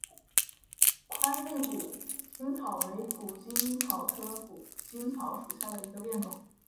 宽玉谷精草为谷精草科谷精草属下的一个变种。